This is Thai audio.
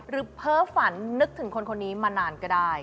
เพ้อฝันนึกถึงคนคนนี้มานานก็ได้